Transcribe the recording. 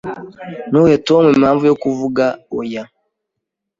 Ntuhe Tom impamvu yo kuvuga oya.